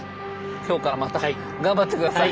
今日からまた頑張って下さい。